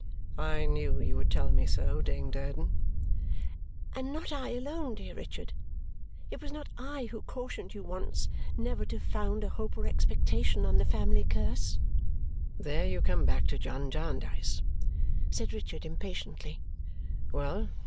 "I knew you would tell me so, Dame Durden." "And not I alone, dear Richard. It was not I who cautioned you once never to found a hope or expectation on the family curse." "There you come back to John Jarndyce!" said Richard impatiently. "Well!